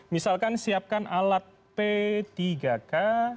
misalkan siapkan alat p tiga k